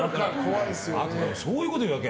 そういうことを言うわけ。